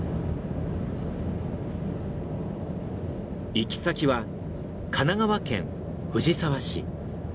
行き先は神奈川県藤沢市。